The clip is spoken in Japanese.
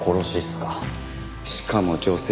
しかも女性関係。